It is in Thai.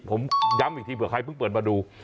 ผมย้ำอีกทีเผื่อใครเพิ่งเปิดมาดู